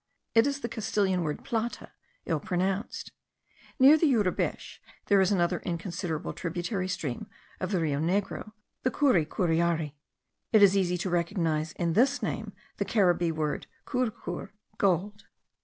It is the Castilian word plata ill pronounced. Near the Yurubesh there is another inconsiderable tributary stream of the Rio Negro, the Curicur iari. It is easy to recognize in this name the Caribbee word carucur, gold.